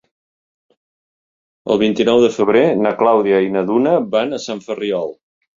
El vint-i-nou de febrer na Clàudia i na Duna van a Sant Ferriol.